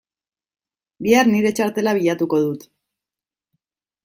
Bihar nire txartela bilatuko dut.